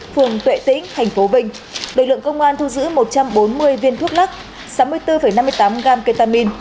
phường tuệ tĩnh thành phố vinh đội lượng công an thu giữ một trăm bốn mươi viên thuốc lắc sáu mươi bốn năm mươi tám gam ketamin